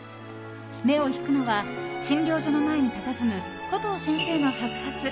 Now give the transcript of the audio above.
目を引くのは診療所の前にたたずむコトー先生の白髪。